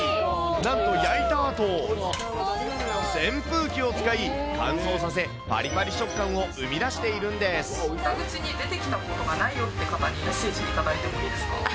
なんと焼いたあと、扇風機を使い、乾燥させ、ぱりぱり食感を生み出北口に出てきたことがないよっていう方に、メッセージ頂いてもいいですか？